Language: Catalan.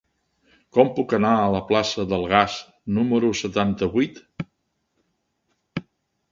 Com puc anar a la plaça del Gas número setanta-vuit?